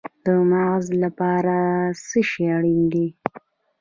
د مغز لپاره څه شی اړین دی؟